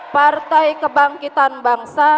partai kebangkitan bangsa